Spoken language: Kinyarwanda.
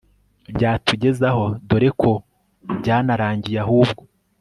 byatugezaho dore ko byanarangiye ahubwo